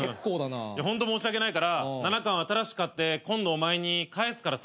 ホント申し訳ないから７巻を新しく買って今度お前に返すからさ。